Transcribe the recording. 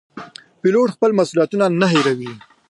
پیلوټ خپل مسوولیتونه نه هېروي.